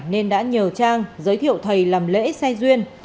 nên đã nhờ trang giới thiệu thầy làm lễ xe duyên